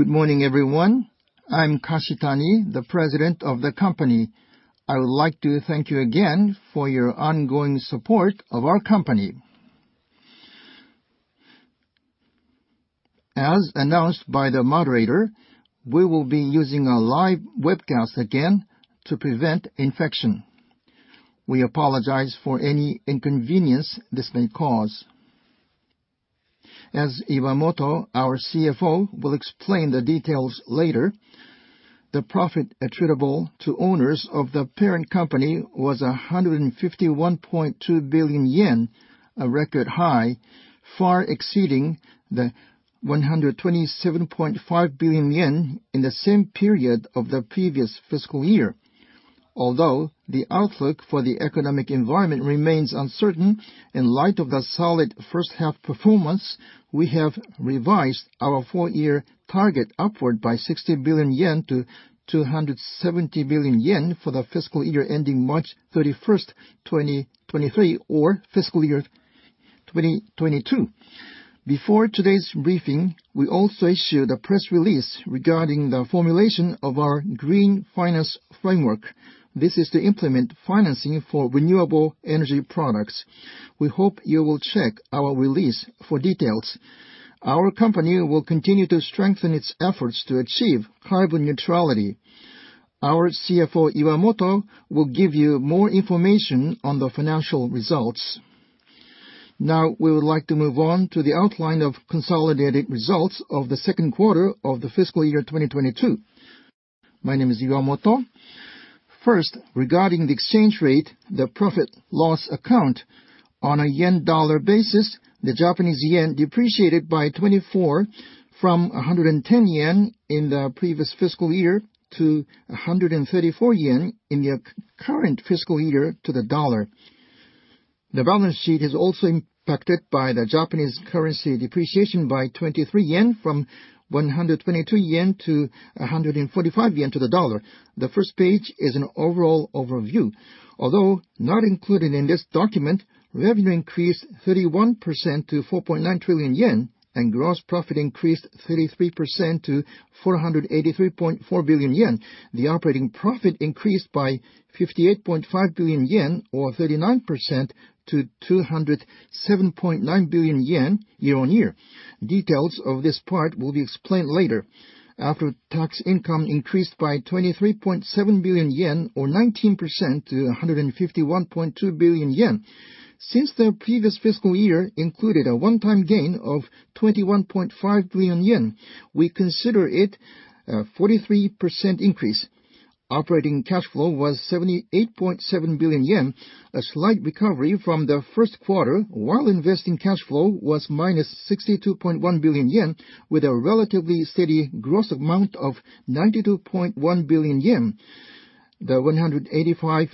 Good morning, everyone. I'm Kashitani, the President of the company. I would like to thank you again for your ongoing support of our company. As announced by the moderator, we will be using a live webcast again to prevent infection. We apologize for any inconvenience this may cause. As Iwamoto, our CFO, will explain the details later, the profit attributable to owners of the parent company was 151.2 billion yen, a record high, far exceeding the 127.5 billion yen in the same period of the previous fiscal year. Although the outlook for the economic environment remains uncertain, in light of the solid first-half performance, we have revised our full-year target upward by 60 billion yen to 270 billion yen for the fiscal year ending March 31st, 2023, or fiscal year 2022. Before today's briefing, we also issued a press release regarding the formulation of our green finance framework. This is to implement financing for renewable energy products. We hope you will check our release for details. Our company will continue to strengthen its efforts to achieve carbon neutrality. Our CFO, Iwamoto, will give you more information on the financial results. Now we would like to move on to the outline of consolidated results of the second quarter of the fiscal year 2022. My name is Iwamoto. First, regarding the exchange rate, the profit and loss account. On a yen-dollar basis, the Japanese yen depreciated by 24 yen from 110 yen in the previous fiscal year to 134 yen in the current fiscal year to the dollar. The balance sheet is also impacted by the Japanese currency depreciation by 23 yen from 122 yen to 145 yen to the dollar. The first page is an overall overview. Although not included in this document, revenue increased 31% to 4.9 trillion yen, and gross profit increased 33% to 483.4 billion yen. The operating profit increased by 58.5 billion yen, or 39% to 207.9 billion yen year-on-year. Details of this part will be explained later. After-tax income increased by 23.7 billion yen, or 19% to 151.2 billion yen. Since the previous fiscal year included a one-time gain of 21.5 billion yen, we consider it a 43% increase. Operating cash flow was 78.7 billion yen, a slight recovery from the first quarter, while investing cash flow was -62.1 billion yen with a relatively steady gross amount of 92.1 billion yen. The 185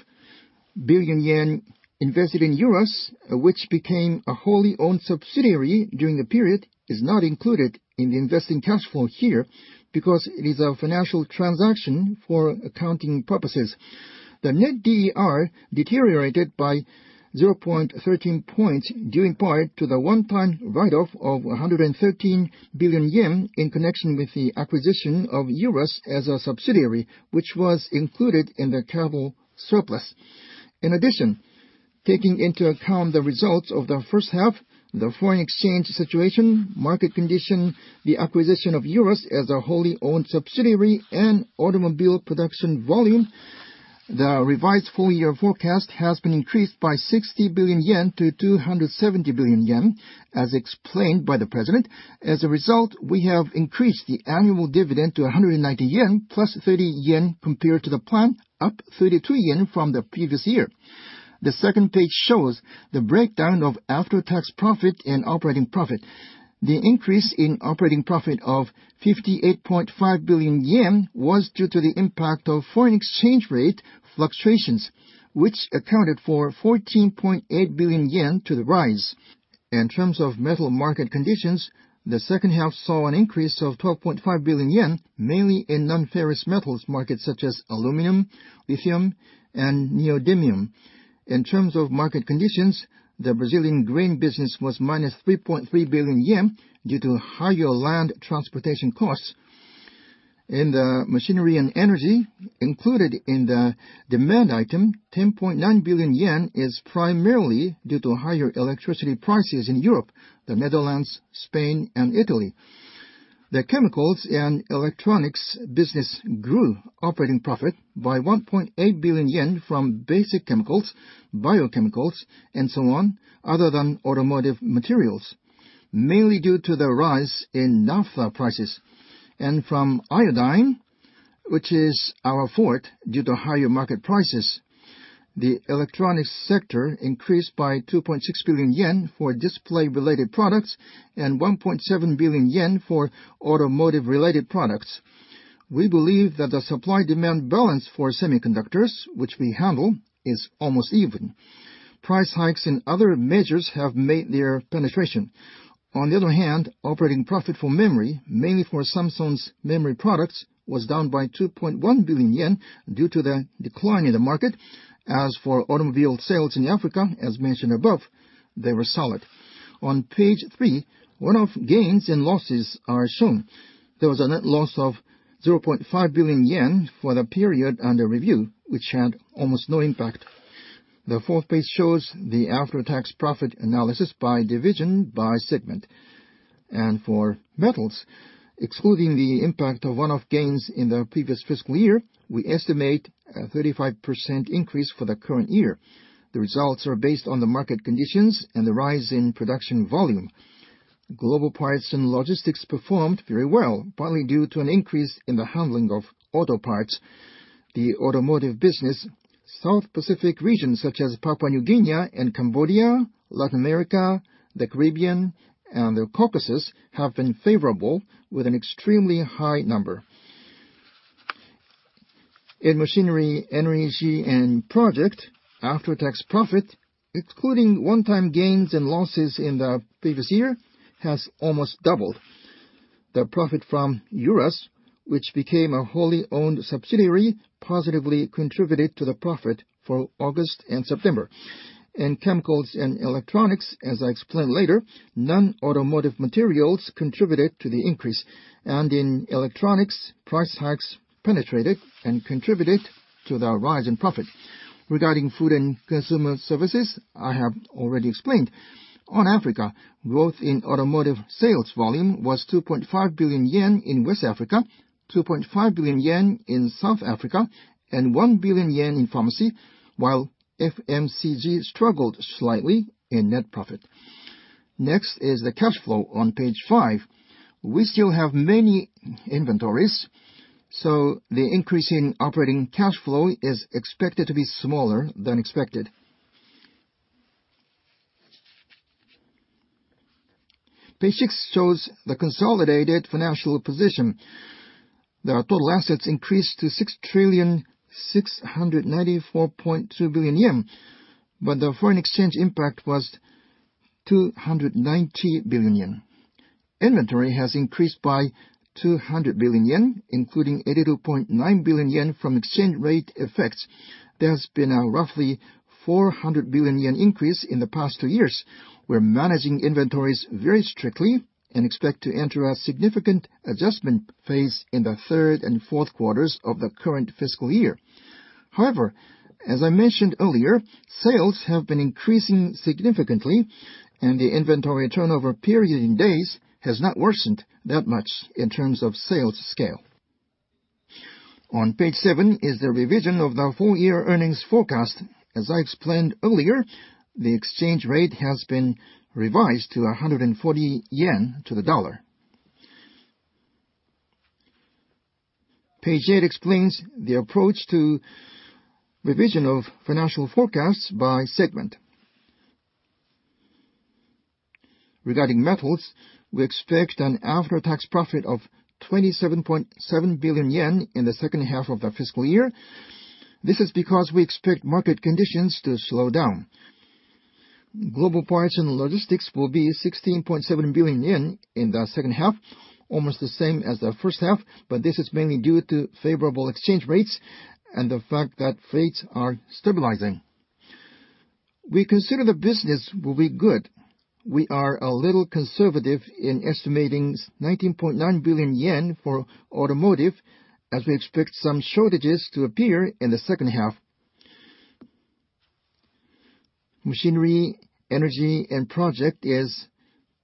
billion yen invested in Eurus, which became a wholly owned subsidiary during the period, is not included in the investing cash flow here because it is a financial transaction for accounting purposes. The net DER deteriorated by 0.13 points due in part to the one-time write-off of 113 billion yen in connection with the acquisition of Eurus as a subsidiary, which was included in the carryover surplus. In addition, taking into account the results of the first half, the foreign exchange situation, market condition, the acquisition of Eurus as a wholly owned subsidiary, and automobile production volume, the revised full-year forecast has been increased by 60 billion yen to 270 billion yen, as explained by the President. As a result, we have increased the annual dividend to 190 yen, plus 30 yen compared to the plan, up 32 yen from the previous year. The second page shows the breakdown of after-tax profit and operating profit. The increase in operating profit of 58.5 billion yen was due to the impact of foreign exchange rate fluctuations, which accounted for 14.8 billion yen to the rise. In terms of metal market conditions, the second half saw an increase of 12.5 billion yen, mainly in non-ferrous metals markets such as aluminum, lithium, and neodymium. In terms of market conditions, the Brazilian grain business was -3.3 billion yen due to higher land transportation costs. In the machinery and energy included in the demand item, 10.9 billion yen is primarily due to higher electricity prices in Europe, the Netherlands, Spain, and Italy. The chemicals and electronics business grew operating profit by 1.8 billion yen from basic chemicals, biochemicals, and so on, other than automotive materials, mainly due to the rise in naphtha prices and from iodine, which is our forte due to higher market prices. The electronics sector increased by 2.6 billion yen for display-related products and 1.7 billion yen for automotive-related products. We believe that the supply-demand balance for semiconductors, which we handle, is almost even. Price hikes in other measures have made their penetration. On the other hand, operating profit for memory, mainly for Samsung's memory products, was down by 2.1 billion yen due to the decline in the market. As for automobile sales in Africa, as mentioned above, they were solid. On page three, one-off gains and losses are shown. There was a net loss of 0.5 billion yen for the period under review, which had almost no impact. The fourth page shows the after-tax profit analysis by division, by segment. For metals, excluding the impact of one-off gains in the previous fiscal year, we estimate a 35% increase for the current year. The results are based on the market conditions and the rise in production volume. Global parts and logistics performed very well, partly due to an increase in the handling of auto parts. The automotive business, South Pacific regions such as Papua New Guinea and Cambodia, Latin America, the Caribbean, and the Caucasus have been favorable with an extremely high number. In machinery, energy, and projects, after-tax profit, excluding one-time gains and losses in the previous year, has almost doubled. The profit from Eurus, which became a wholly owned subsidiary, positively contributed to the profit for August and September. In chemicals and electronics, as I explained later, non-automotive materials contributed to the increase, and in electronics, price hikes penetrated and contributed to the rise in profit. Regarding food and consumer services, I have already explained. On Africa, growth in automotive sales volume was 2.5 billion yen in West Africa, 2.5 billion yen in South Africa, and 1 billion yen in pharmacy, while FMCG struggled slightly in net profit. Next is the cash flow on page five. We still have many inventories, so the increase in operating cash flow is expected to be smaller than expected. Page six shows the consolidated financial position. The total assets increased to 6,694.2 billion yen, but the foreign exchange impact was 290 billion yen. Inventory has increased by 200 billion yen, including 82.9 billion yen from exchange rate effects. There's been a roughly 400 billion yen increase in the past two years. We're managing inventories very strictly and expect to enter a significant adjustment phase in the third and fourth quarters of the current fiscal year. However, as I mentioned earlier, sales have been increasing significantly, and the inventory turnover period in days has not worsened that much in terms of sales scale. On page seven is the revision of the full year earnings forecast. As I explained earlier, the exchange rate has been revised to 140 yen to the dollar. Page eight explains the approach to revision of financial forecasts by segment. Regarding metals, we expect an after-tax profit of 27.7 billion yen in the second half of the fiscal year. This is because we expect market conditions to slow down. Global parts and logistics will be 16.7 billion yen in the second half, almost the same as the first half, but this is mainly due to favorable exchange rates and the fact that rates are stabilizing. We consider the business will be good. We are a little conservative in estimating 19.9 billion yen for automotive, as we expect some shortages to appear in the second half. Machinery, energy, and project is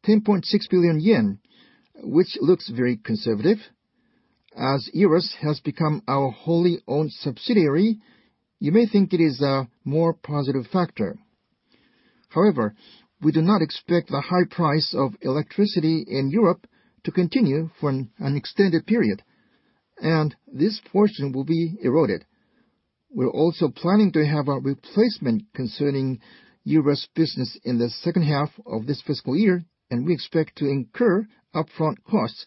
10.6 billion yen, which looks very conservative. As Eurus has become our wholly owned subsidiary, you may think it is a more positive factor. However, we do not expect the high price of electricity in Europe to continue for an extended period, and this portion will be eroded. We're also planning to have a replacement concerning Eurus business in the second half of this fiscal year, and we expect to incur upfront costs.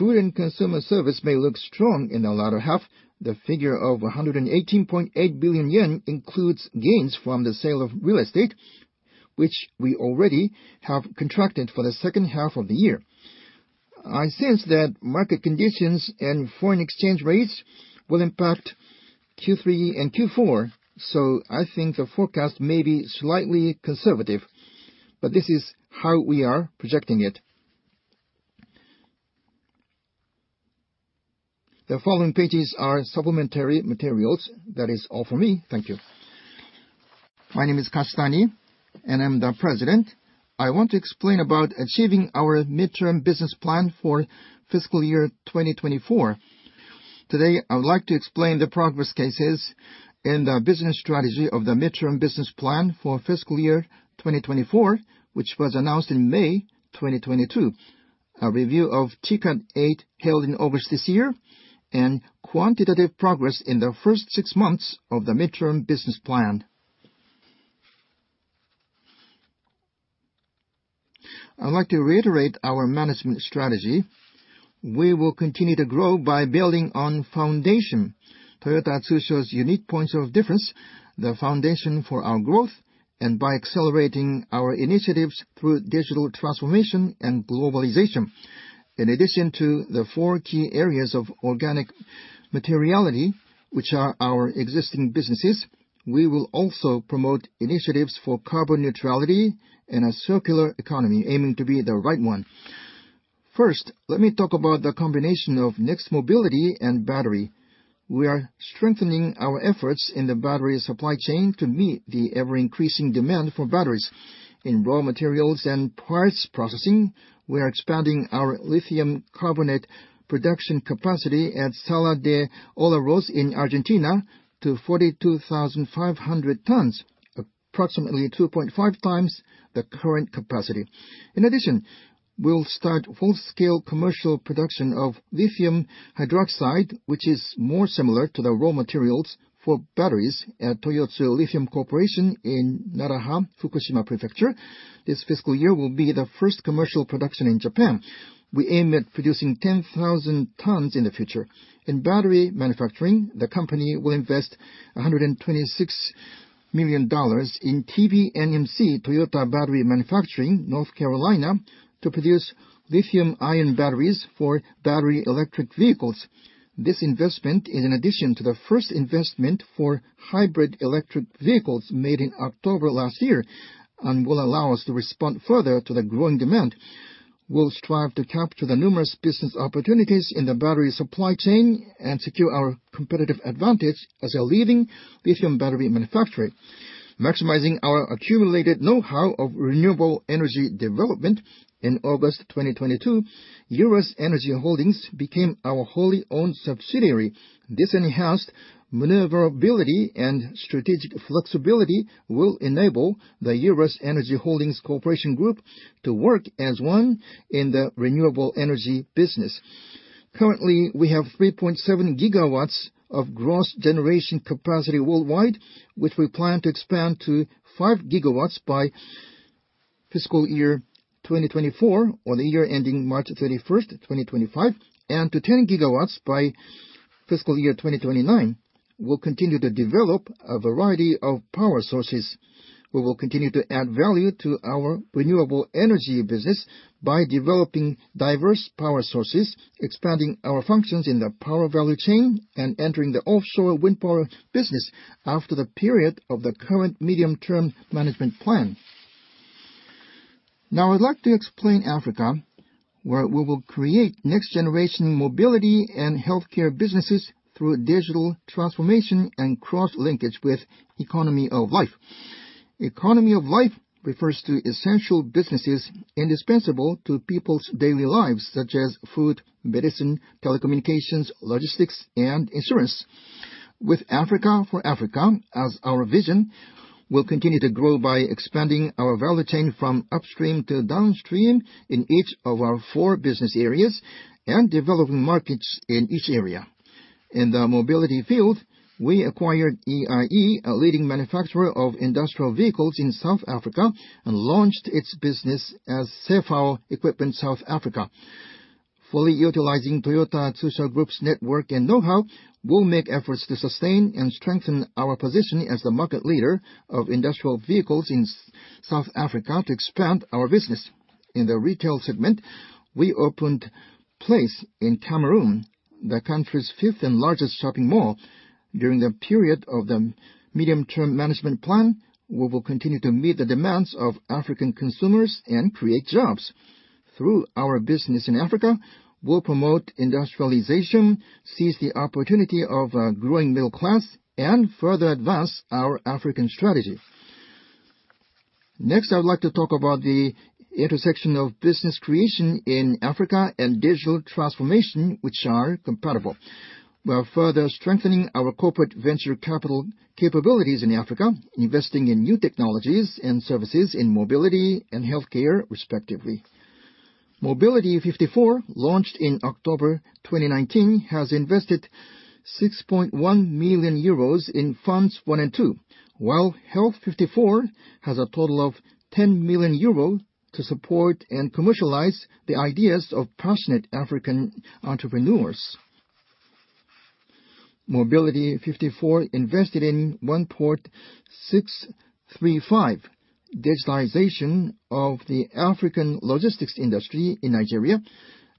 Food and consumer service may look strong in the latter half. The figure of 118.8 billion yen includes gains from the sale of real estate, which we already have contracted for the second half of the year. I sense that market conditions and foreign exchange rates will impact Q3 and Q4, so I think the forecast may be slightly conservative, but this is how we are projecting it. The following pages are supplementary materials. That is all for me. Thank you. My name is Kashitani, and I'm the President. I want to explain about achieving our midterm business plan for fiscal year 2024. Today, I would like to explain the progress cases in the business strategy of the midterm business plan for fiscal year 2024, which was announced in May 2022. A review of TICAD 8 held in August this year, and quantitative progress in the first six months of the midterm business plan. I'd like to reiterate our management strategy. We will continue to grow by building on foundation. Toyota Tsusho's unique points of difference, the foundation for our growth, and by accelerating our initiatives through digital transformation and globalization. In addition to the four key areas of materiality, which are our existing businesses, we will also promote initiatives for carbon neutrality and a circular economy, aiming to Be the Right ONE. First, let me talk about the combination of next mobility and battery. We are strengthening our efforts in the battery supply chain to meet the ever-increasing demand for batteries. In raw materials and parts processing, we are expanding our lithium carbonate production capacity at Salar de Olaroz in Argentina to 42,500 tons, approximately 2.5x the current capacity. In addition, we'll start full-scale commercial production of lithium hydroxide, which is more similar to the raw materials for batteries at Toyotsu Lithium Corporation in Naraha, Fukushima Prefecture. This fiscal year will be the first commercial production in Japan. We aim at producing 10,000 tons in the future. In battery manufacturing, the company will invest $126 million in TBMNC, Toyota Battery Manufacturing North Carolina, to produce lithium-ion batteries for battery electric vehicles. This investment is in addition to the first investment for hybrid electric vehicles made in October last year and will allow us to respond further to the growing demand. We'll strive to capture the numerous business opportunities in the battery supply chain and secure our competitive advantage as a leading lithium battery manufacturer. Maximizing our accumulated know-how of renewable energy development, in August 2022, Eurus Energy Holdings became our wholly owned subsidiary. This enhanced maneuverability and strategic flexibility will enable the Eurus Energy Holdings Corporation group to work as one in the renewable energy business. Currently, we have 3.7 GW of gross generation capacity worldwide, which we plan to expand to 5 GW by fiscal year 2024, or the year ending March 31st, 2025, and to 10 GW by fiscal year 2029. We'll continue to develop a variety of power sources. We will continue to add value to our renewable energy business by developing diverse power sources, expanding our functions in the power value chain, and entering the offshore wind power business after the period of the current medium-term management plan. Now I'd like to explain Africa, where we will create next-generation mobility and healthcare businesses through digital transformation and cross-linkage with Economy of Life. Economy of Life refers to essential businesses indispensable to people's daily lives, such as food, medicine, telecommunications, logistics, and insurance. WITH AFRICA FOR AFRICA as our vision, we'll continue to grow by expanding our value chain from upstream to downstream in each of our four business areas and developing markets in each area. In the mobility field, we acquired EIE, a leading manufacturer of industrial vehicles in South Africa, and launched its business as CFAO Equipment South Africa. Fully utilizing Toyota Tsusho Group's network and know-how, we'll make efforts to sustain and strengthen our position as the market leader of industrial vehicles in South Africa to expand our business. In the retail segment, we opened PlaYce in Cameroon, the country's fifth and largest shopping mall. During the period of the medium-term management plan, we will continue to meet the demands of African consumers and create jobs. Through our business in Africa, we'll promote industrialization, seize the opportunity of a growing middle class, and further advance our African strategy. Next, I would like to talk about the intersection of business creation in Africa and digital transformation, which are compatible. We are further strengthening our corporate venture capital capabilities in Africa, investing in new technologies and services in mobility and healthcare respectively. Mobility 54, launched in October 2019, has invested 6.1 million euros in Funds 1 and 2, while Health 54 has a total of 10 million euros to support and commercialize the ideas of passionate African entrepreneurs. Mobility 54 invested in OnePort 365, digitalization of the African logistics industry in Nigeria.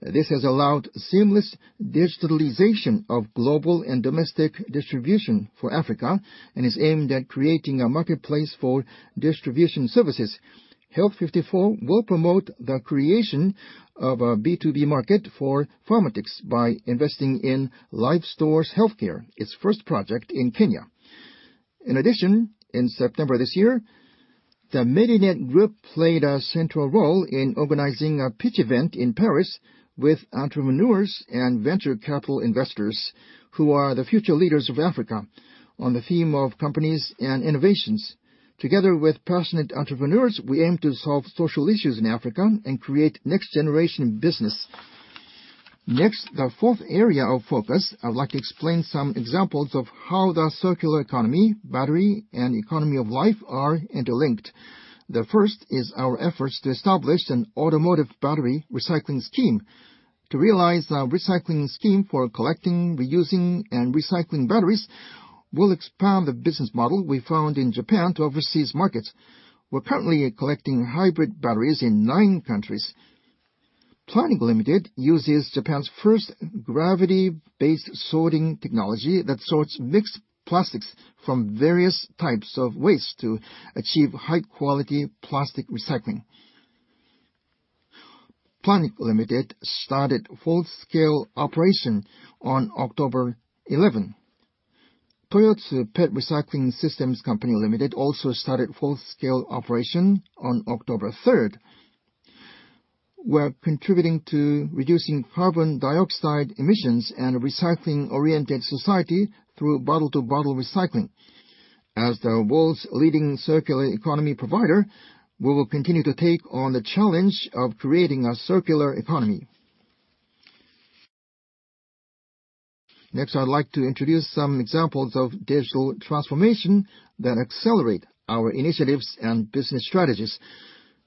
This has allowed seamless digitalization of global and domestic distribution for Africa and is aimed at creating a marketplace for distribution services. Health 54 will promote the creation of a B2B market for pharmaceuticals by investing in Lifestores Healthcare, its first project in Kenya. In addition, in September this year, the Madinet Group played a central role in organizing a pitch event in Paris with entrepreneurs and venture capital investors who are the future leaders of Africa on the theme of companies and innovations. Together with passionate entrepreneurs, we aim to solve social issues in Africa and create next-generation business. Next, the fourth area of focus, I would like to explain some examples of how the circular economy, battery, and economy of life are interlinked. The first is our efforts to establish an automotive battery recycling scheme. To realize the recycling scheme for collecting, reusing, and recycling batteries, we'll expand the business model we found in Japan to overseas markets. We're currently collecting hybrid batteries in nine countries. Planic Ltd. uses Japan's first gravity-based sorting technology that sorts mixed plastics from various types of waste to achieve high-quality plastic recycling. Planic Ltd. started full-scale operation on October 11. Toyotsu PET Recycling Systems Co., Ltd. also started full-scale operation on October 3rd. We're contributing to reducing carbon dioxide emissions and a recycling-oriented society through bottle-to-bottle recycling. As the world's leading circular economy provider, we will continue to take on the challenge of creating a circular economy. Next, I'd like to introduce some examples of digital transformation that accelerate our initiatives and business strategies.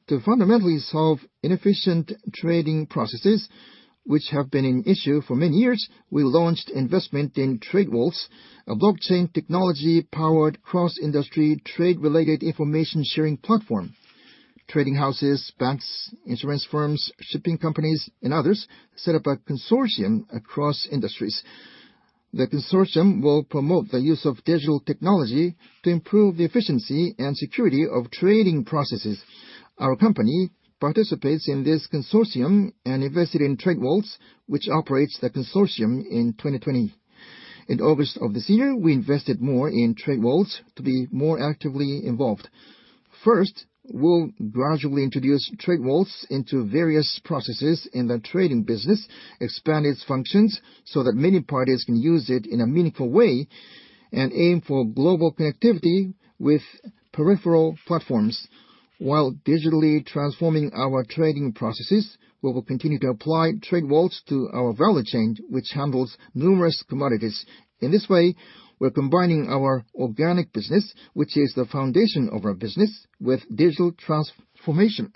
To fundamentally solve inefficient trading processes, which have been an issue for many years, we launched investment in TradeWaltz, a blockchain technology-powered cross-industry trade-related information sharing platform. Trading houses, banks, insurance firms, shipping companies, and others set up a consortium across industries. The consortium will promote the use of digital technology to improve the efficiency and security of trading processes. Our company participates in this consortium and invested in TradeWaltz, which operates the consortium in 2020. In August of this year, we invested more in TradeWaltz to be more actively involved. First, we'll gradually introduce TradeWaltz into various processes in the trading business, expand its functions so that many parties can use it in a meaningful way, and aim for global connectivity with peripheral platforms. While digitally transforming our trading processes, we will continue to apply TradeWaltz to our value chain, which handles numerous commodities. In this way, we're combining our organic business, which is the foundation of our business, with digital transformation.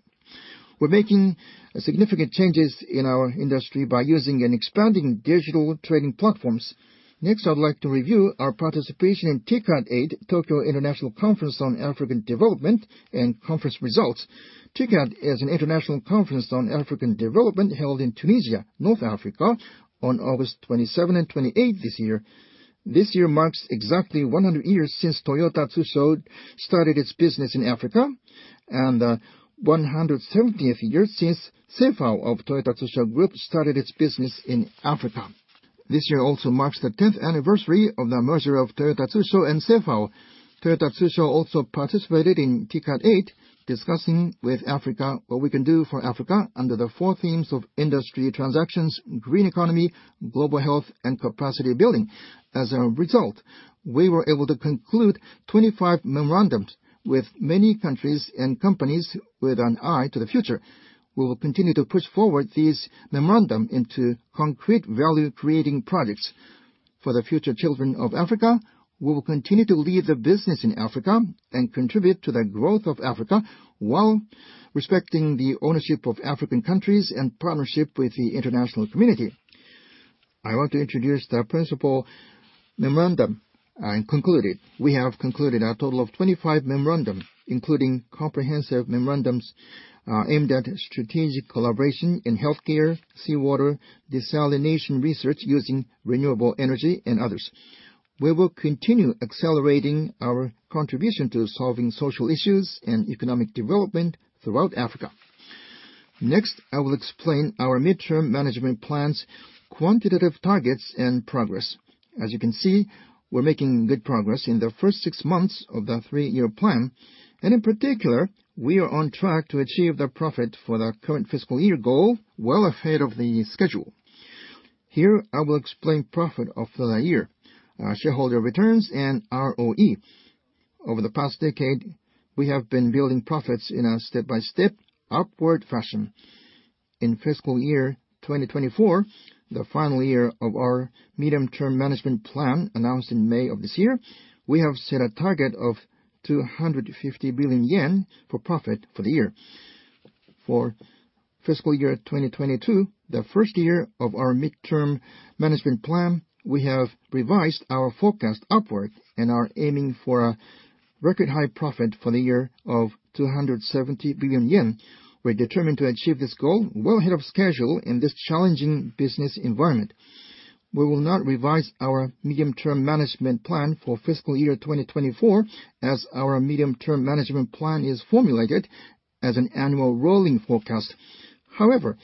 We're making significant changes in our industry by using and expanding digital trading platforms. Next, I'd like to review our participation in TICAD 8, Tokyo International Conference on African Development, and conference results. TICAD is an international conference on African development held in Tunisia, North Africa, on August 27 and 28 this year. This year marks exactly 100 years since Toyota Tsusho started its business in Africa, and 117th year since CFAO of Toyota Tsusho Group started its business in Africa. This year also marks the 10th anniversary of the merger of Toyota Tsusho and CFAO. Toyota Tsusho also participated in TICAD 8, discussing with Africa what we can do for Africa under the four themes of industry transactions, green economy, global health, and capacity building. As a result, we were able to conclude 25 memorandums with many countries and companies with an eye to the future. We will continue to push forward these memorandum into concrete value-creating products. For the future children of Africa, we will continue to lead the business in Africa and contribute to the growth of Africa while respecting the ownership of African countries and partnership with the international community. I want to introduce the principal memorandums concluded. We have concluded a total of 25 memorandums, including comprehensive memorandums aimed at strategic collaboration in healthcare, seawater desalination research using renewable energy, and others. We will continue accelerating our contribution to solving social issues and economic development throughout Africa. Next, I will explain our midterm management plan's quantitative targets and progress. As you can see, we're making good progress in the first six months of the three-year plan. In particular, we are on track to achieve the profit for the current fiscal year goal well ahead of the schedule. Here, I will explain profit for the year, shareholder returns and ROE. Over the past decade, we have been building profits in a step-by-step upward fashion. In fiscal year 2024, the final year of our medium-term management plan announced in May of this year, we have set a target of 250 billion yen for profit for the year. For fiscal year 2022, the first year of our medium-term management plan, we have revised our forecast upward and are aiming for a record high profit for the year of 270 billion yen. We're determined to achieve this goal well ahead of schedule in this challenging business environment. We will not revise our medium-term management plan for fiscal year 2024 as our medium-term management plan is formulated as an annual rolling forecast. However,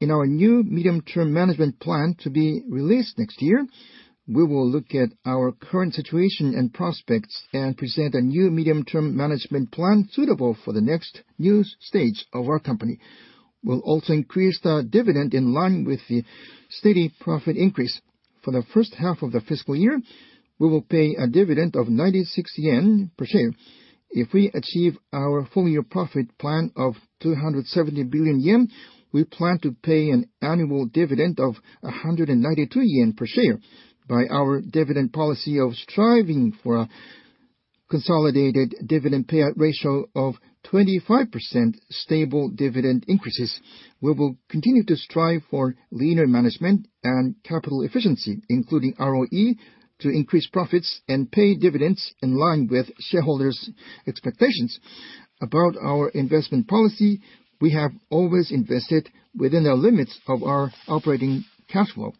in our new medium-term management plan to be released next year, we will look at our current situation and prospects and present a new medium-term management plan suitable for the next new stage of our company. We'll also increase the dividend in line with the steady profit increase. For the first half of the fiscal year, we will pay a dividend of 96 yen per share. If we achieve our full year profit plan of 270 billion yen, we plan to pay an annual dividend of 192 yen per share by our dividend policy of striving for a consolidated dividend payout ratio of 25% stable dividend increases. We will continue to strive for leaner management and capital efficiency, including ROE, to increase profits and pay dividends in line with shareholders' expectations. About our investment policy, we have always invested within the limits of our operating cash flow,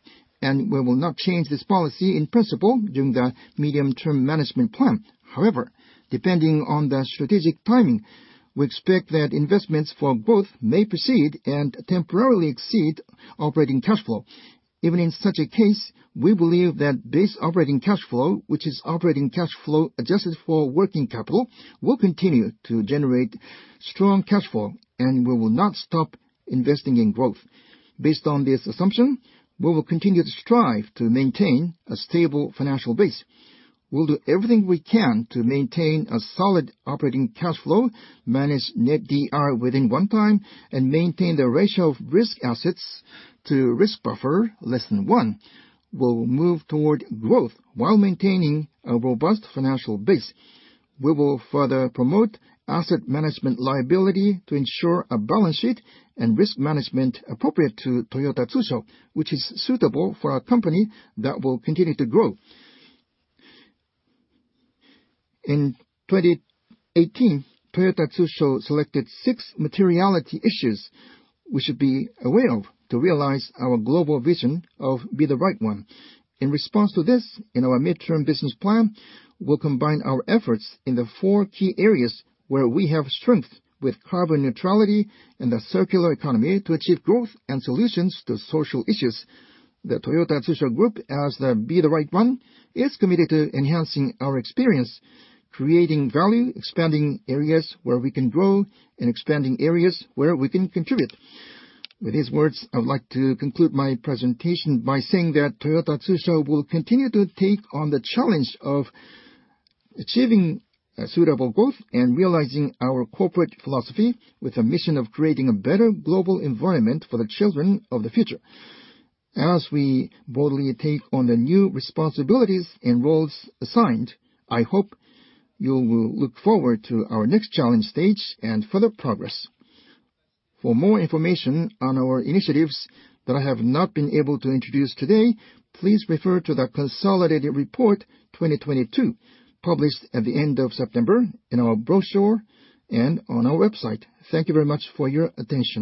and we will not change this policy in principle during the medium-term management plan. However, depending on the strategic timing, we expect that investments for growth may proceed and temporarily exceed operating cash flow. Even in such a case, we believe that this operating cash flow, which is operating cash flow adjusted for working capital, will continue to generate strong cash flow, and we will not stop investing in growth. Based on this assumption, we will continue to strive to maintain a stable financial base. We'll do everything we can to maintain a solid operating cash flow, manage net D/E within one times, and maintain the ratio of risk assets to risk buffer less than one. We will move toward growth while maintaining a robust financial base. We will further promote asset and liability management to ensure a balance sheet and risk management appropriate to Toyota Tsusho, which is suitable for a company that will continue to grow. In 2018, Toyota Tsusho selected six materiality issues we should be aware of to realize our global vision of Be the Right ONE. In response to this, in our midterm business plan, we'll combine our efforts in the four key areas where we have strength with carbon neutrality and the circular economy to achieve growth and solutions to social issues. The Toyota Tsusho Group, as the Be the Right ONE, is committed to enhancing our experience, creating value, expanding areas where we can grow, and expanding areas where we can contribute. With these words, I would like to conclude my presentation by saying that Toyota Tsusho will continue to take on the challenge of achieving a suitable growth and realizing our corporate philosophy with a mission of creating a better global environment for the children of the future. As we boldly take on the new responsibilities and roles assigned, I hope you will look forward to our next challenge stage and further progress. For more information on our initiatives that I have not been able to introduce today, please refer to the Consolidated Report 2022, published at the end of September in our brochure and on our website. Thank you very much for your attention.